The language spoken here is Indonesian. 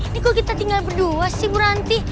ini kok kita tinggal berdua sih bu ranti